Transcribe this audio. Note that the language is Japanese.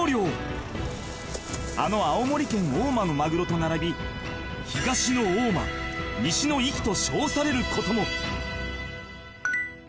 ［あの青森県大間のマグロと並び東の大間西の壱岐と称されることも］